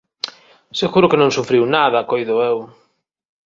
Seguro que non sufriu nada, coido eu.